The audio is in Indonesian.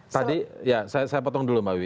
tadi ya saya potong dulu mbak wiwi